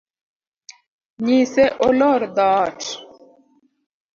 Nyise olor dhoot.